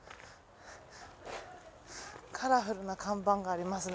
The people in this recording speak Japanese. カラフルな看板がありますね。